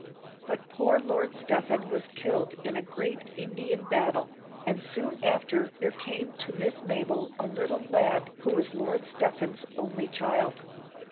But poor Lord Stephen was killed in a great Indian battle, and soon after there came to Miss Mabel a little lad who was Lord Stephen's only child.